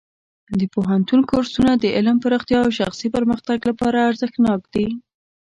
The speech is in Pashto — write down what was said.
د پوهنتون کورسونه د علم پراختیا او شخصي پرمختګ لپاره ارزښتناک دي.